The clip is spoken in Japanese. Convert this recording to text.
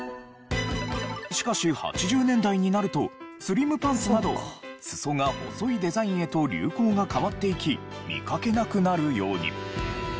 しかし８０年代になるとスリムパンツなど裾が細いデザインへと流行が変わっていき見かけなくなるように。